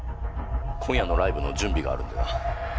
今夜のライブの準備があるんでな。